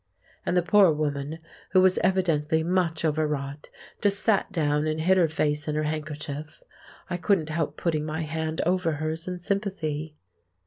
And the poor woman, who was evidently much overwrought, just sat down and hid her face in her handkerchief. I couldn't help putting my hand over hers in sympathy.